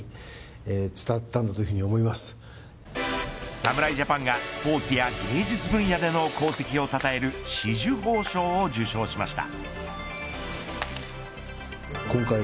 侍ジャパンがスポーツや芸術分野での功績をたたえる紫綬褒章を受章しました。